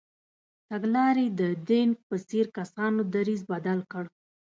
تګلارې د دینګ په څېر کسانو دریځ بدل کړ.